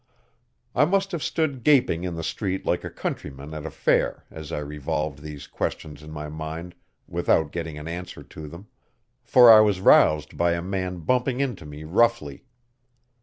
I must have stood gaping in the street like a countryman at a fair as I revolved these questions in my mind without getting an answer to them, for I was roused by a man bumping into me roughly.